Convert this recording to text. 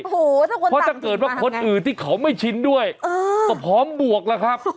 เพราะถ้าเกิดว่าคนอื่นที่เขาไม่ชินด้วยก็พร้อมบวกแล้วครับ